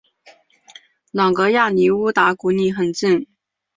朗格亚离乌达古里很近。